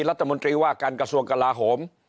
รัฐมนตรีว่าการกระทรวงกลาโหม